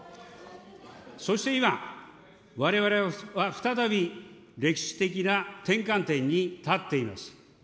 そして今、われわれは再び歴史的な転換点に立っています。